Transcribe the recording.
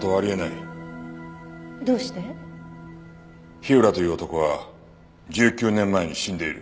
火浦という男は１９年前に死んでいる。